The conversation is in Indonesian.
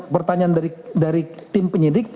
pertanyaan dari tim penyidik